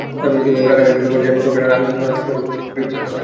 Rakhine রাজ্য সফর শেষে কফি আনান আগামী মঙ্গলবার সংবাদমাধ্যমকে ব্রিফ করতে পারেন।